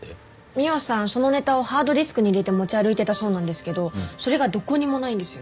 美緒さんそのネタをハードディスクに入れて持ち歩いてたそうなんですけどそれがどこにもないんですよ。